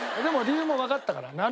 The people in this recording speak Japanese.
でも理由もわかったから。